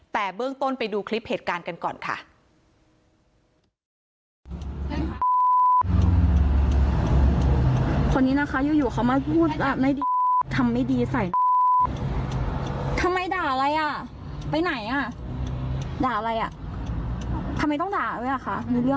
แต่เบื้องต้นไปดูคลิปเหตุการณ์กันก่อนค่ะ